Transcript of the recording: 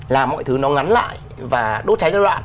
là mọi thứ nó ngắn lại và đốt cháy ra đoạn